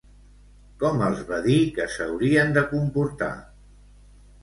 Com els va dir que s'haurien de comportar?